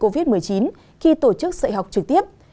covid một mươi chín khi tổ chức dạy học trực tiếp